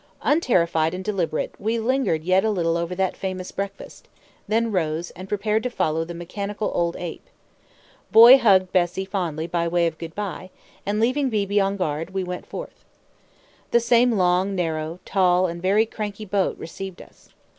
Unterrified and deliberate, we lingered yet a little over that famous breakfast, then rose, and prepared to follow the mechanical old ape. Boy hugged Bessy fondly by way of good by, and, leaving Beebe on guard, we went forth. The same long, narrow, tall, and very crank boat received us.